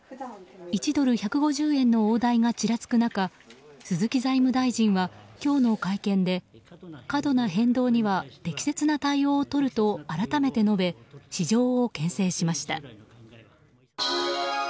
１ドル＝１５０円の大台がちらつく中鈴木財務大臣は今日の会見で過度な変動には適切な対応をとると改めて述べ市場を牽制しました。